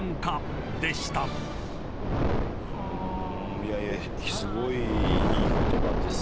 いやいやすごいいい言葉ですよね。